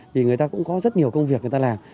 vì người ta cũng có rất nhiều công việc người ta làm